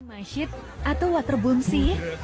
masjid atau waterbunsi